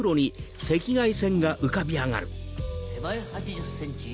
手前８０ｃｍ。